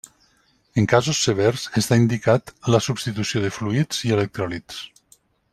En casos severs està indicat la substitució de fluids i electròlits.